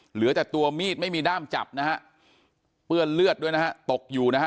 เหลือแต่ตัวมีดไม่มีด้ามจับนะฮะเปื้อนเลือดด้วยนะฮะตกอยู่นะฮะ